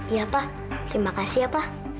ya pak terima kasih ya pak